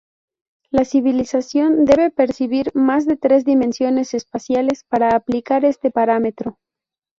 La civilización debe percibir más de tres dimensiones espaciales para aplicar este parámetro.